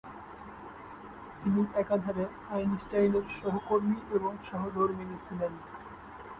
তিনি একাধারে আইনস্টাইনের সহকর্মী এবং সহধর্মিণী ছিলেন।